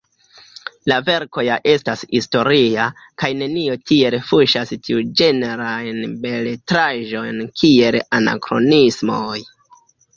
La verko ja estas historia, kaj nenio tiel fuŝas tiuĝenrajn beletraĵojn kiel anakronismoj.